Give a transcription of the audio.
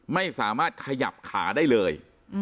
ไม่สามารถขยับขาได้เลย